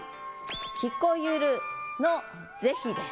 「聞こゆる」の是非です。